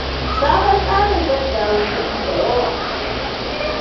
Sabon tsarin zai jawo kuɗi da yawa.